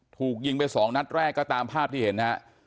ถูกยิงไปสองนัดแรกก็ตามภาพที่เห็นฮะ